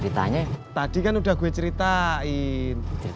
maafnya ada numbers di depan